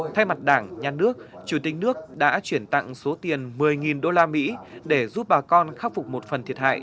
thay mặt đảng nhà nước chủ tịch nước đã chuyển tặng số tiền một mươi đô la mỹ để giúp bà con khắc phục một phần thiệt hại